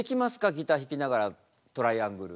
ギター弾きながらトライアングル。